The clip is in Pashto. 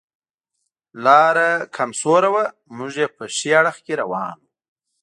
لاره کم سوره وه، موږ یې په ښي اړخ کې روان و.